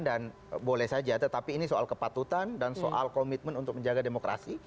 dan boleh saja tetapi ini soal kepatutan dan soal komitmen untuk menjaga demokrasi